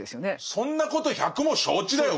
そんなこと百も承知だよ